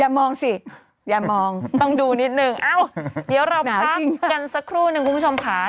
มองสิอย่ามองต้องดูนิดนึงเอ้าเดี๋ยวเราพักกันสักครู่นึงคุณผู้ชมค่ะ